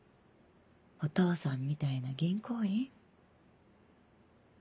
お父さんみたいな銀行員？